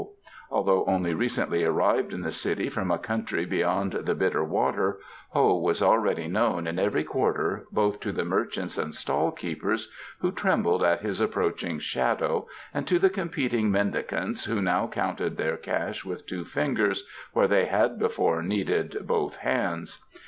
Although only recently arrived in the city from a country beyond the Bitter Water, Ho was already known in every quarter both to the merchants and stallkeepers, who trembled at his approaching shadow, and to the competing mendicants who now counted their cash with two fingers where they had before needed both hands.